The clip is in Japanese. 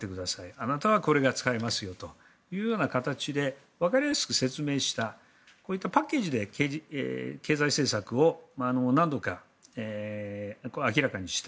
あなたはこれが使えますよという形でわかりやすく説明したこういうパッケージで経済政策を何度か明らかにした。